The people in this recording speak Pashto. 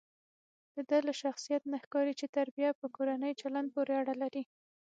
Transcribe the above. دده له شخصیت نه ښکاري چې تربیه په کورني چلند پورې اړه لري.